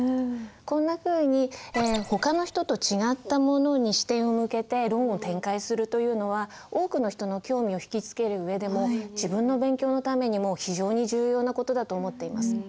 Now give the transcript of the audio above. こんなふうに他の人と違ったものに視点を向けて論を展開するというのは多くの人の興味を引き付ける上でも自分の勉強のためにも非常に重要な事だと思っています。